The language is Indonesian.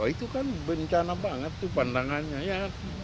itu kan bencana banget tuh pandangannya ya